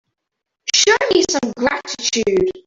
Show me some gratitude.